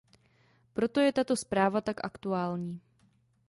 Proto je tato zpráva tak aktuální.